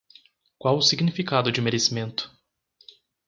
Qual o significado de merecimento?